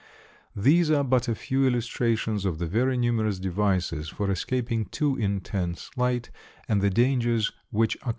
These are but a few illustrations of the very numerous devices for escaping too intense light and the dangers which accompany it.